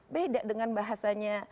beda dengan bahasanya